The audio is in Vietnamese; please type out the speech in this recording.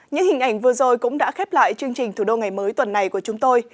những hình ảnh vừa rồi cũng đã khép lại chương trình thủ đô ngày mới tuần này của chúng tôi